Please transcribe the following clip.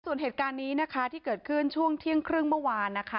ส่วนเหตุการณ์นี้นะคะที่เกิดขึ้นช่วงเที่ยงครึ่งเมื่อวานนะคะ